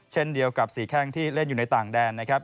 เช่นเดียวกับ๔แข้งที่เล่นอยู่ในต่างแดนนะครับ